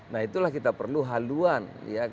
nah itulah kita perlu haluan